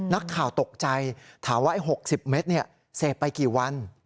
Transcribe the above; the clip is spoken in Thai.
นักข่าวตกใจถามว่า๖๐เมตรเสพไปกี่วัน